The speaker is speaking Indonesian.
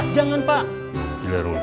jangan pak jangan pak